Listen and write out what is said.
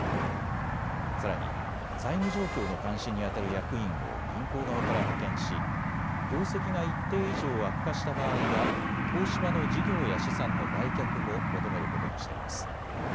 さらに財務状況の監視にあたる役員を銀行側から派遣し業績が一定以上、悪化した場合は東芝の事業や資産の売却も求めることにしています。